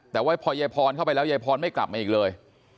แต่ว่าพอยายพรเข้าไปแล้วยายพรไม่กลับมาอีกเลย